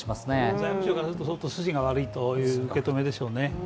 財務省からすると相当筋が悪いという受け止めでしょうね。